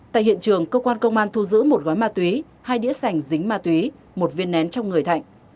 tại hiện trường cơ quan công an thu giữ một gói ma túy hai đĩa sành dính ma túy một viên nén trong người thạnh